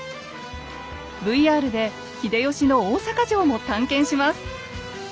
ＶＲで秀吉の大坂城も探検します。